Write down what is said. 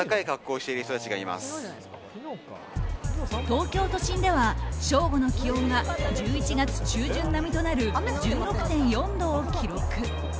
東京都心では正午の気温が１１月中旬並みとなる１６．４度を記録。